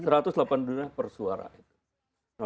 rp satu ratus delapan puluh per suara